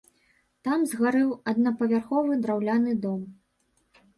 Там згарэў аднапавярховы драўляны дом.